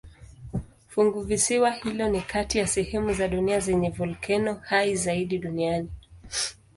Funguvisiwa hilo ni kati ya sehemu za dunia zenye volkeno hai zaidi duniani.